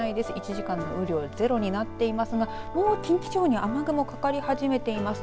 １時間の雨量ゼロになっていますがもう近畿地方に雨雲がかかり始めています。